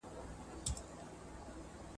نظم له بې نظمۍ غوره دی.